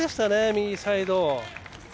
右サイド。